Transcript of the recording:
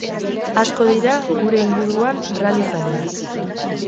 Asko dira gure inguruan rally zaleak.